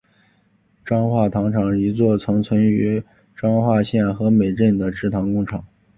彰化糖厂一座曾存在于彰化县和美镇的制糖工厂。